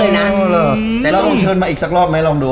นะแต่แล้วเชิญมาอีกสักรอบไหมลองดู